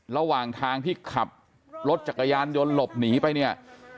ระหว่างทางที่ขับรถจักรยานยนต์หลบหนีไปเนี่ย